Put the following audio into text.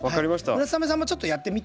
村雨さんもちょっとやってみて。